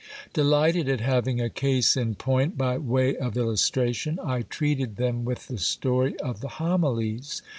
Delighted at having a case in point by way of illustration, I treated them with the story of the homilies.